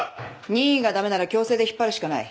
任意が駄目なら強制で引っ張るしかない。